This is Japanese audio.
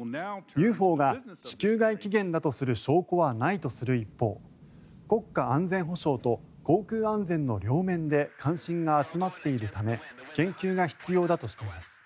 ＵＦＯが地球外起源だとする証拠はないとする一方国家安全保障と航空安全の両面で関心が集まっているため研究が必要だとしています。